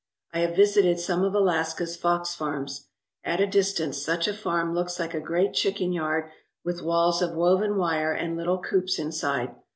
I have visited some of Alaska's fox farms. At a dis tance, such a farm looks like a great chicken yard with walls of woven wire and little coops inside.